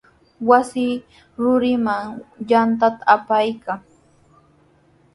Wasi rurinman yantata apaykan.